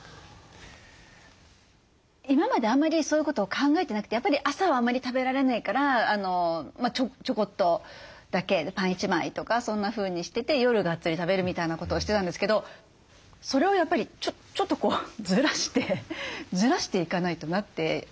今まであんまりそういうことを考えてなくてやっぱり朝はあまり食べられないからちょこっとだけパン１枚とかそんなふうにしてて夜がっつり食べるみたいなことをしてたんですけどそれをやっぱりちょっとずらしてずらしていかないとなって思いました。